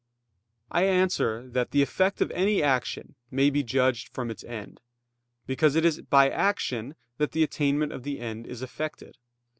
I answer that, The effect of any action may be judged from its end; because it is by action that the attainment of the end is effected.